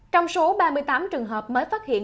trong số ba mươi tám trường hợp mới phát hiện